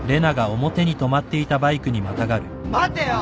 待てよ！